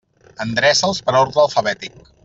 Endreça'ls per ordre alfabètic.